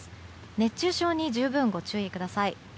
熱中症に十分ご注意ください。